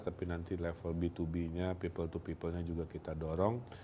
tapi nanti level b dua b nya people to people nya juga kita dorong